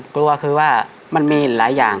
กลัวคือว่ามันมีหลายอย่าง